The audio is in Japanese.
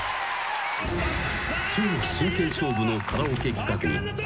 ［超真剣勝負のカラオケ企画に歌うま